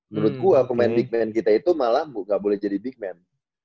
menurut gue pemain big man kita itu malah gak boleh jadi big man